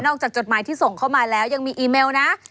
จดหมายที่ส่งเข้ามาแล้วยังมีอีเมลนะ